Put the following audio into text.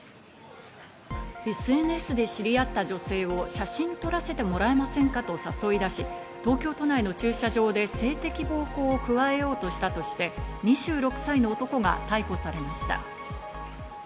ＳＮＳで知り合った女性を写真撮らせてもらえませんかと誘い出し、東京都内の駐車場で性的暴行を加えようとしたとして２６歳の男が逮捕されました。